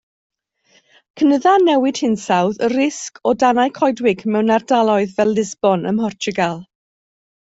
Cynydda newid hinsawdd y risg o danau coedwig mewn ardaloedd fel Lisbon ym Mhortiwgal.